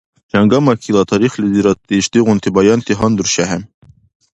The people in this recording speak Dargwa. Жангамахьиличила тарихлизирадти ишдигъунти баянти гьандуршехӀе.